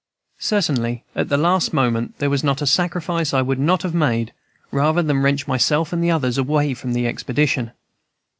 Certainly at the last moment there was not a sacrifice I would not have made rather than wrench myself and others away from the expedition.